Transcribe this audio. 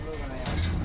gak ada ya